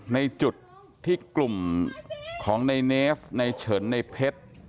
ในจุดที่กลุ่มของในเนฟในเฉินในเพชร